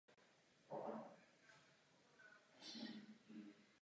Čtyřky byly postupně odhaleny a jejich členové popraveni nebo uvězněni.